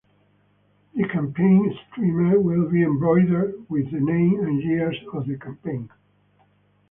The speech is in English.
The campaign streamer will be embroidered with the name and years of the campaign.